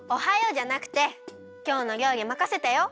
じゃなくてきょうのりょうりまかせたよ！